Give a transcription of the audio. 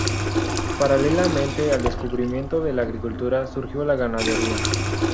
Paralelamente al descubrimiento de la agricultura, surgió la ganadería.